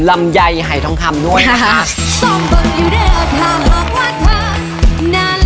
ลำไยหายทองคำด้วยนะคะ